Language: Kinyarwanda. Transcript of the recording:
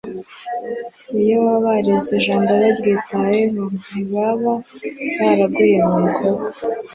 Iyo baba barize ijambo baryitayeho, ntibaba baraguye mu ikosa.